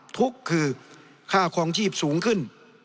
ทุกข์คือค่าคลองชีพสูงขึ้น